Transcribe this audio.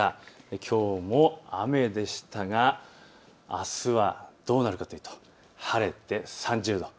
きょうも雨でしたがあすはどうなるかというと晴れて３０度。